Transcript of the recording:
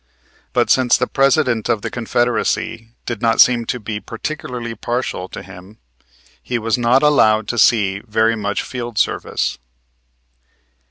But, since the President of the Confederacy did not seem to be particularly partial to him, he was not allowed to see very much field service.